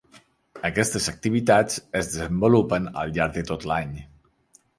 Aquestes activitats es desenvolupen al llarg de tot l’any.